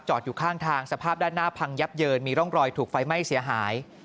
อยู่ข้างทางสภาพด้านหน้าพังยับเยินมีร่องรอยถูกไฟไหม้เสียหาย